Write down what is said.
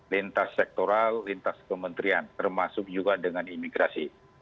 lintas sektoral lintas kementerian termasuk juga dengan imigrasi